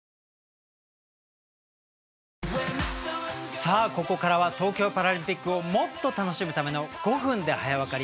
さあここからは東京パラリンピックをもっと楽しむための「５分で早わかり」